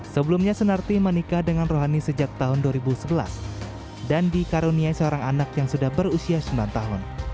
sebelumnya senarti menikah dengan rohani sejak tahun dua ribu sebelas dan dikaruniai seorang anak yang sudah berusia sembilan tahun